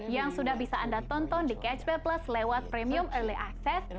yang sudah bisa anda tonton di catch play plus lewat premium early access